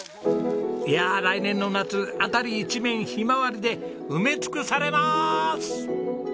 いやあ来年の夏辺り一面ひまわりで埋め尽くされまーす！